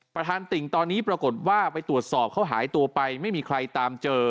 ติ่งตอนนี้ปรากฏว่าไปตรวจสอบเขาหายตัวไปไม่มีใครตามเจอ